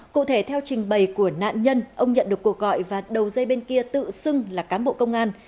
cụ thể theo trình bày của nạn nhân ông nhận được cuộc gọi và đầu dây bên kia tự xưng là cán bộ công an